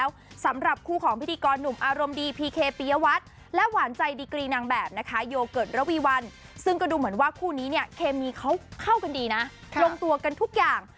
ว่าคู่นี้เนี่ยเคมีเข้ากันดีนะลงตัวกันทุกอย่าง